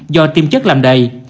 do tiêm chất làm đầy